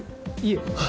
いえ。